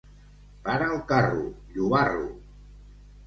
Para el carro, llobarro!